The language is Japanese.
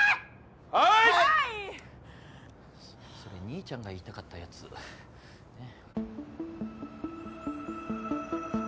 それ兄ちゃんが言いたかったやつね。